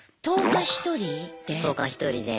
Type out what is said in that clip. １０日１人で。